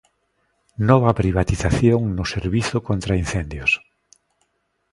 Nova privatización no servizo contra incendios.